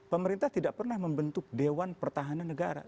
pemerintah tidak pernah membentuk dewan pertahanan negara